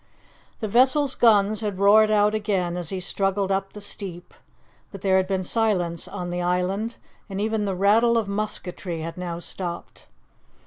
The vessel's guns had roared out again as he struggled up the steep, but there had been silence on the island, and even the rattle of musketry had now stopped.